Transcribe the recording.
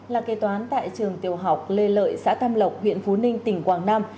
là kế toán tại trường tiểu học lê lợi xã tam lộc huyện phú ninh tỉnh quảng nam